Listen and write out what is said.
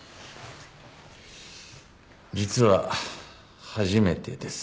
実は初めてです。